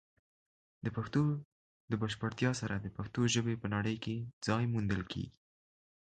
د پښتو د بشپړتیا سره، د پښتو ژبې په نړۍ کې ځای موندل کیږي.